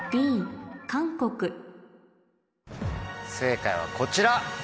正解はこちら。